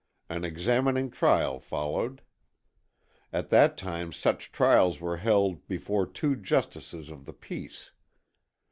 An examining trial followed. At that time such trials were held before two justices of the peace.